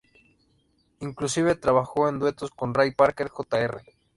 Inclusive trabajó en duetos con Ray Parker Jr.